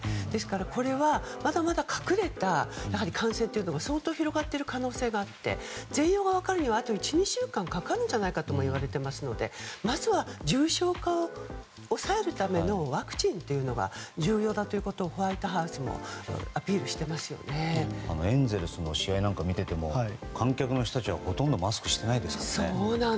これは、まだまだ隠れた感染というのが相当広がっている可能性があって全容が分かるにはあと１２週間かかるんじゃないかともいわれていますのでまずは重症化を抑えるためのワクチンが重要だということをホワイトハウスもエンゼルスの試合を見ていても、観客の人たちはほとんどマスクしていないですからね。